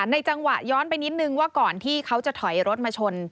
จังหวะย้อนไปนิดนึงว่าก่อนที่เขาจะถอยรถมาชน